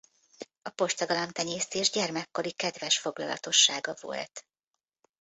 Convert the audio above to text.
A postagalamb-tenyésztés gyermekkori kedves foglalatossága volt.